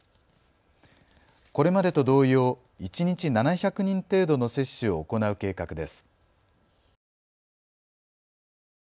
これまでと同様、一日７００人程度の接種を行う計画です。